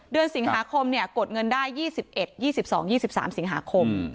เดือนสิงหาคมกดเงินได้๒๑๒๒๒๓สิงหาคม